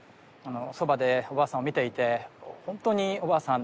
そばでおばあさんを見ていてホントにおばあさん